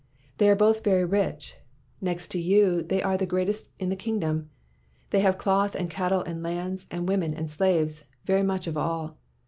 They are both very rich. Next to you they are the great est in the kingdom. They have cloth and cattle and lands and women and slaves — very much of all.